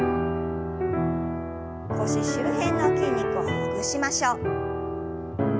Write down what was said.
腰周辺の筋肉をほぐしましょう。